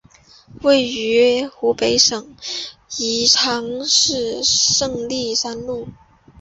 位于湖北省宜昌市胜利三路。